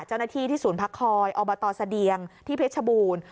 เจ้าหน้าที่ที่ศูนย์พักคอยอบตเสดียงที่เพชรบูรณ์